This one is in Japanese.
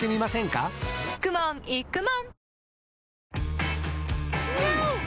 かくもんいくもん